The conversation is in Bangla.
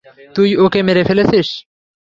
তুই ওকে মেরে ফেলেছিস।